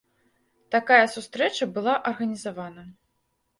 Такая сустрэча была арганізавана.